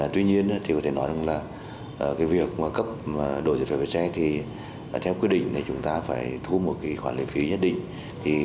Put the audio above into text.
tuy nhiên việc cấp đổi giấy phép lái xe theo quy định chúng ta phải thu một khoản lợi phí nhất định